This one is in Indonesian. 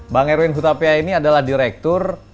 bang erwin hutapea ini adalah direktur